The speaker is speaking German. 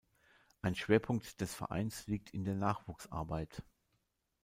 Ein Schwerpunkt des Vereins liegt in der Nachwuchsarbeit.